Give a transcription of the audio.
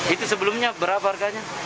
itu sebelumnya berapa harganya